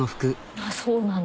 あっそうなんだ。